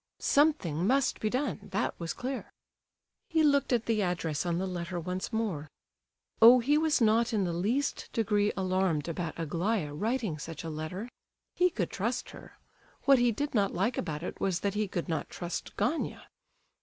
Something must be done, that was clear. He looked at the address on the letter once more. Oh, he was not in the least degree alarmed about Aglaya writing such a letter; he could trust her. What he did not like about it was that he could not trust Gania.